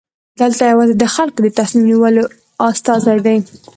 دولت یوازې د خلکو د تصمیم نیولو استازی دی.